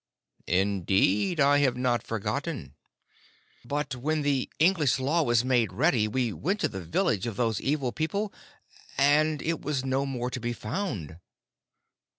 "Indeed, I have not forgotten." "But when the English Law was made ready, we went to the village of those evil people, and it was no more to be found."